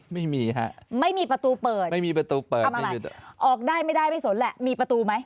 ไม่มีฮะไม่มีประตูเปิดไม่มีประตูเปิดทำอะไรออกได้ไม่ได้ไม่สนแหละมีประตูไหม